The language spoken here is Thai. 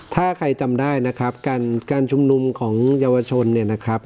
ถ้าใครจำได้นะครับการชุมนุมของเยาวชนเนี่ยนะครับ